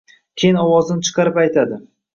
Keyin ovozini chiqarib aytadi